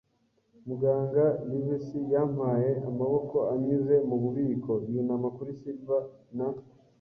Muganga Livesey yampaye amaboko anyuze mu bubiko, yunama kuri silver, na